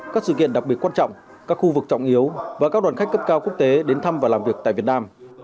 các sự kiện đặc biệt quan trọng các khu vực trọng yếu và các đoàn khách cấp cao quốc tế đến thăm và làm việc tại việt nam